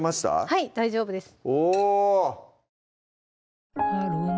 はい大丈夫です